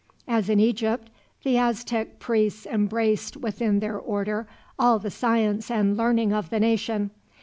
As in Egypt, the Aztec priests embraced within their order all the science and learning of the nation.